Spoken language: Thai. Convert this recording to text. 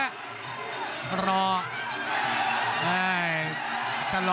เหนือน้ำเงินน่ะดูทรงแล้ว